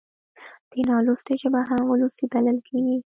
د نالوستي ژبه هم وولسي بلل کېږي.